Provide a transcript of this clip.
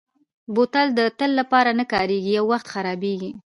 بوتل د تل لپاره نه کارېږي، یو وخت خرابېږي.